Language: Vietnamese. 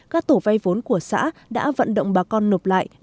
các tổ vay vốn của xã đã vận động bà con nộp lại